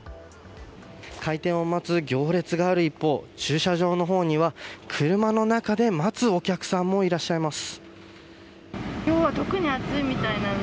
開店を待つ行列がある一方駐車場の方には車の中で待つお客さんもいらっしゃいます。